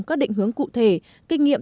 các định hướng cụ thể kinh nghiệm